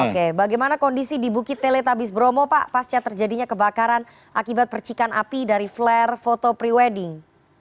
oke bagaimana kondisi di bukit teletabis bromo pak pasca terjadinya kebakaran akibat percikan api dari flare foto pre wedding